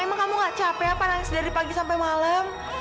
emang kamu gak capek apa nangis dari pagi sampai malam